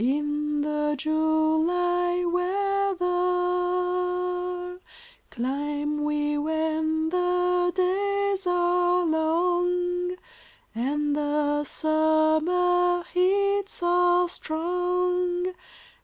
In the July weather, Climb we when the days are long And the summer heats are strong.